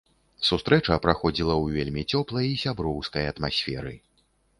Сустрэча праходзіла ў вельмі цёплай і сяброўскай атмасферы.